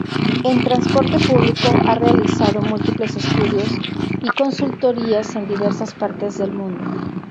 En transporte público ha realizado múltiples estudios y consultorías en diversas partes del mundo.